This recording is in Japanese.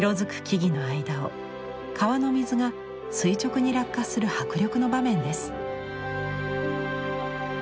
木々の間を川の水が垂直に落下する迫力の場面です。